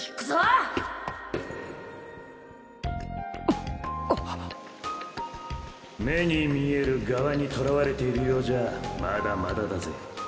南次郎：目に見える側にとらわれているまだまだだぜ。